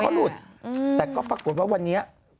เขาหลุดแต่ก็ปรากฏว่าวันนี้